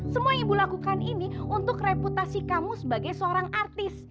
semua ibu lakukan ini untuk reputasi kamu sebagai seorang artis